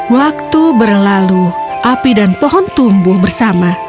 waktu berlalu api dan pohon tumbuh bersama